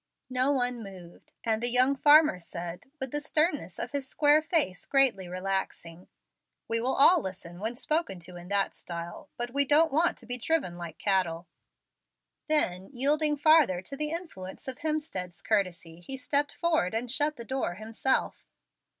No one moved. And the young farmer said, with the sternness of his square face greatly relaxing, "You may shut the door, sir. We will all listen when spoken to in that style. But we don't want to be driven like cattle." Then, yielding farther to the influence of Hemstead's courtesy, he stepped forward and shut the door himself.